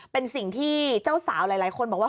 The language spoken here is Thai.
เป็นสิ่งที่เจ้าสาวหลายคนบอกว่า